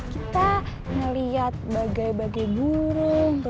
kita melihat bagai bagai burung